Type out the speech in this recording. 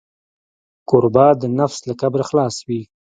کوربه د نفس له کبره خلاص وي.